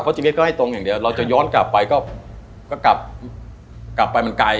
ชีวิตก็ให้ตรงอย่างเดียวเราจะย้อนกลับไปก็กลับไปมันไกล